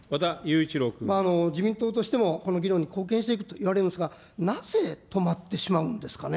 自民党としても、この議論に貢献していくといわれますが、なぜ、止まってしまうんですかね。